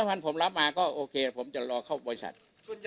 มันทุกลาย